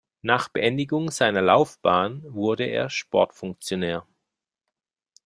Nach Beendigung seiner Laufbahn wurde er Sportfunktionär.